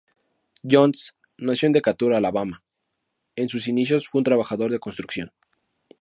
Jones nació en Decatur, Alabama, en sus inicios fue un trabajador de construcción.